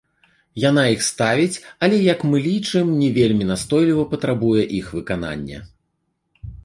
Яна іх ставіць, але, як мы лічым, не вельмі настойліва патрабуе іх выканання.